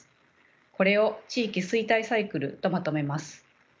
これを「地域衰退サイクル」とまとめます。